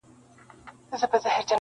د بادار په اشاره پرې کړي سرونه -